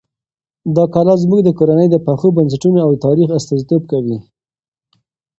دا کلا زموږ د کورنۍ د پخو بنسټونو او تاریخ استازیتوب کوي.